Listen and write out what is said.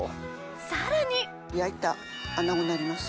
さらに焼いたアナゴになります。